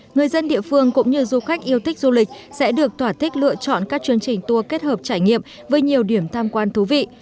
người dân địa phương cũng như du khách yêu thích du lịch sẽ được thỏa thích lựa chọn các chương trình tour kết hợp trải nghiệm với nhiều điểm tham quan thú vị